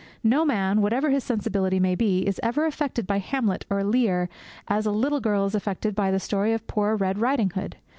No man, whatever his sensibility may be, is ever affected by Hamlet or Lear as a little girl is affected by the story of poor Red Ridinghood.